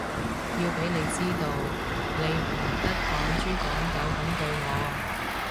要畀你知道，你唔得趕豬趕狗噉對我